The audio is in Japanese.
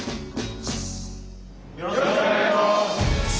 よろしくお願いします！